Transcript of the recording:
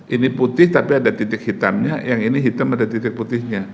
ini putih tapi ada titik hitamnya yang ini hitam ada titik putihnya